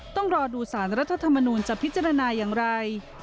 ต้องรอดูสารรัฐธรรมนูลจะพิจารณาอย่างไร